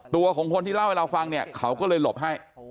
ตัวของคนที่เล่าให้เราฟังเนี่ยเขาก็เลยหลบให้